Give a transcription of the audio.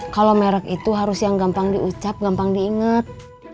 kalau merk itu harus yang gampang diucap gampang diinget